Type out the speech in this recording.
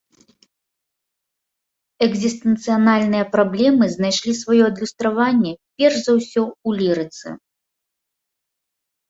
Экзістэнцыяльныя праблемы знайшлі сваё адлюстраванне перш за ўсё ў лірыцы.